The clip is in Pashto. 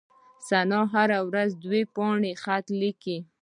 ثنا هره ورځ دوې پاڼي خط ليکي.